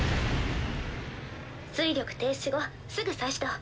推力停止後すぐ再始動。